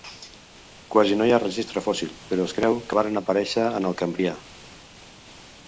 Quasi no hi ha registre fòssil, però es creu que varen aparèixer en el Cambrià.